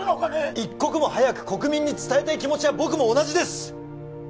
一刻も早く国民に伝えたい気持ちは僕も同じです